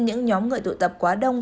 những nhóm người tụ tập quá đông